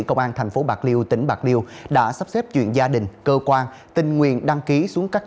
công an thành phố bạc liêu tỉnh bạc liêu đã sắp xếp chuyện gia đình cơ quan tình nguyện đăng ký xuống các